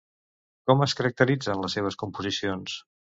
Com es caracteritzen les seves composicions?